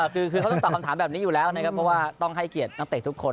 คือเขาต้องตอบคำถามแบบนี้อยู่แล้วนะครับเพราะว่าต้องให้เกียรตินักเตะทุกคน